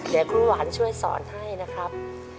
เดี๋ยวครูหวานช่วยสอนให้นะครับ